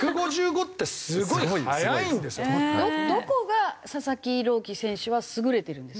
どこが佐々木朗希選手は優れてるんですか？